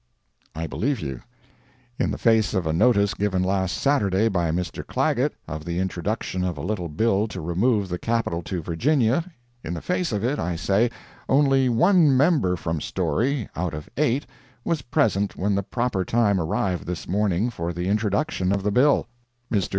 I believe you. In the face of a notice given last Saturday by Mr. Clagett, of the introduction of a little bill to remove the Capital to Virginia—in the face of it, I say, only one member from Storey, out of eight, was present when the proper time arrived this morning for the introduction of the bill. Mr.